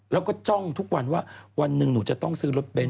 เราก็จ้องน่าวันหนึ่งนี่ต้องซื้อรถเบ้น